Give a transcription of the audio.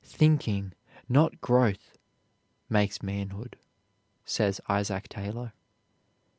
"Thinking, not growth, makes manhood," says Isaac Taylor.